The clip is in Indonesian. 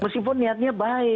meskipun niatnya baik